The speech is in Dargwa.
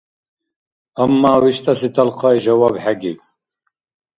Амма виштӀаси талхъай жаваб хӀегиб.